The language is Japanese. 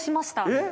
えっ！